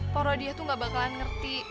poro dia tuh gak bakalan ngerti